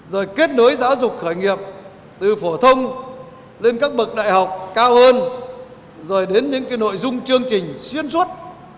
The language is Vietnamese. rồi kết nối giáo dục khởi nghiệp từ phổ thông lên các bậc đại học cao hơn rồi đến những nội dung chương trình xuyên suốt